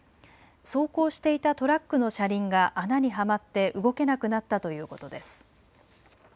走行していたトラックの車輪が穴にはまって動けなくなったということです。